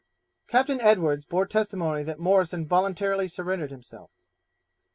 "' Captain Edwards bore testimony that Morrison voluntarily surrendered himself.